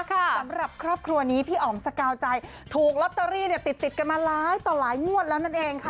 สำหรับครอบครัวนี้พี่อ๋อมสกาวใจถูกล็อตเตอรี่ติดกันมาหลายงวดแล้วนั่นเองค่ะ